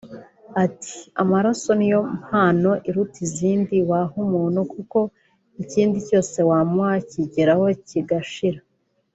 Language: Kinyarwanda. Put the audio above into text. Ati “Amaraso ni yo mpano iruta izindi waha umuntu kuko ikindi cyose wamuha kigeraho kigashira